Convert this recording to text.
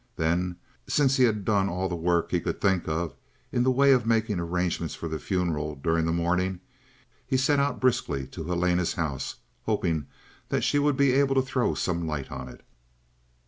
Then, since he had done all the work he could think of, in the way of making arrangements for the funeral, during the morning, he set out briskly to Helena's house, hoping that she would be able to throw some light on it.